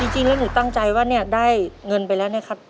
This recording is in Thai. จริงนี่หนูตั้งใจว่าได้เงินไปแล้วนะครับ